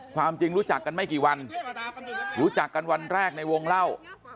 ความจริงรู้จักกันไม่กี่วันรู้จักกันวันแรกในวงเล่า